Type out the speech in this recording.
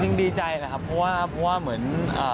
จริงดีใจนะครับเพราะว่าเหมือน